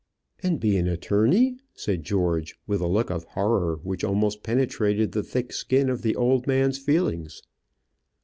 "And be an attorney?" said George, with a look of horror which almost penetrated the thick skin of the old man's feelings.